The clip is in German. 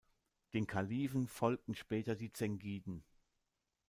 Den Kalifen folgten später die Zengiden.